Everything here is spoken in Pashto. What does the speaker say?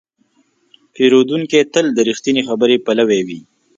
پیرودونکی تل د رښتینې خبرې پلوی وي.